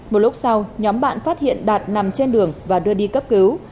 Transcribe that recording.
một lúc sau nhóm bạn phát hiện đạt nằm trên đường và đưa đi cấp cứu